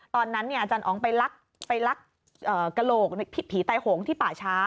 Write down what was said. ตอนนั้นอาจารย์อ๋องไปลักกระโหลกผีไต้โหงที่ป่าช้า